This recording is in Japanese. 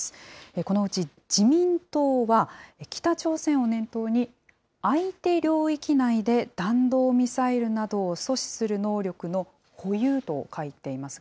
このうち自民党は、北朝鮮を念頭に、相手領域内で弾道ミサイルなどを阻止する能力の保有と書いていますね。